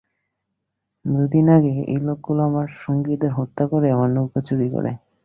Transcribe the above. দু দিন আগে এই লোকগুলো আমার সঙ্গীদের হত্যা করে আমার নৌকা চুরি করে।